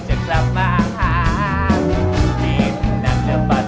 สวัสดีครับ